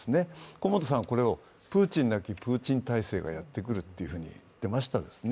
古本さんはこれをプーチンなきプーチン体制がやってくるとおっしゃっていましたね。